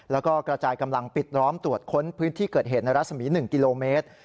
แล้วก็กระจายกำลังปิดล้อมตรวจค้นพื้นที่เกิดเหตุในรัศมี๑กิโลเมตร